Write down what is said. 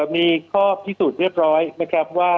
มีข้อพิสูจน์เรียบร้อยนะครับว่า